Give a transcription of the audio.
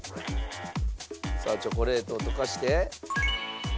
さあチョコレートを溶かして。